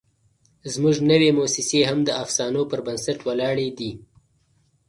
زموږ نوې موسسې هم د افسانو پر بنسټ ولاړې دي.